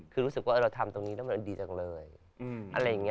คือรู้สึกว่าเราทำตรงนี้แล้วมันดีจังเลย